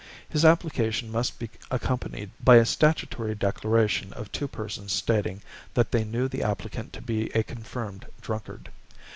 His application must be accompanied by a statutory declaration of two persons stating that they knew the applicant to be a confirmed drunkard.